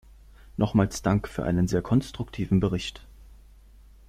Nochmals Dank für einen sehr konstruktiven Bericht.